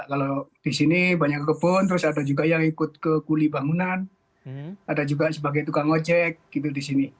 kalau di sini banyak kebun terus ada juga yang ikut ke kuli bangunan ada juga sebagai tukang ojek gitu di sini